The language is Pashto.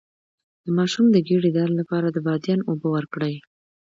د ماشوم د ګیډې درد لپاره د بادیان اوبه ورکړئ